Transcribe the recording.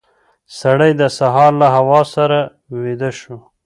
سړی د سهار له هوا سره ویده شو.